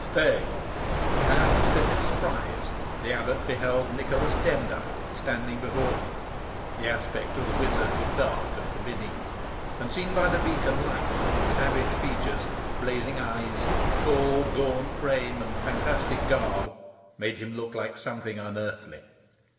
"Stay!" And, to his surprise, the abbot beheld Nicholas Demdike standing before him. The aspect of the wizard was dark and forbidding, and, seen by the beacon light, his savage features, blazing eyes, tall gaunt frame, and fantastic garb, made him look like something unearthly.